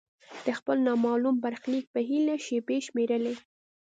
د خپل نامعلوم برخلیک په هیله یې شیبې شمیرلې.